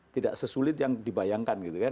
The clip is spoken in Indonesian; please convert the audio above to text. tidak sesulit yang dibayangkan gitu kan